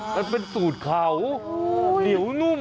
มันเป็นสูตรเขาเหนียวนุ่ม